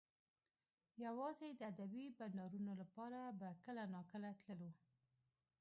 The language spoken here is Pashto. یوازې د ادبي بنډارونو لپاره به کله ناکله تللو